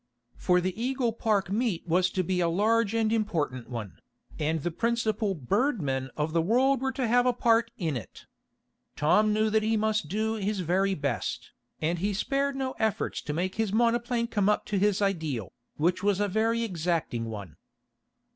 For the Eagle Park meet was to be a large and important one, and the principal "bird men" of the world were to have a part in it. Tom knew that he must do his very best, and he spared no efforts to make his monoplane come up to his ideal, which was a very exacting one.